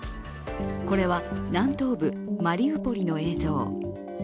これは南東部マリウポリの映像。